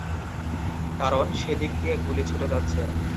কারণ, সেদিক দিয়ে গুলি ছুটে যাচ্ছে।